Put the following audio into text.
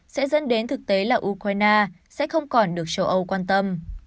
sẽ dẫn đến thực tế là ukraine sẽ không còn được châu âu quan tâm